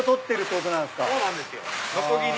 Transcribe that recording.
そうなんですよ。